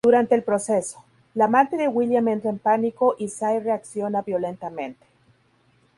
Durante el proceso, la amante de William entra en pánico y Sy reacciona violentamente.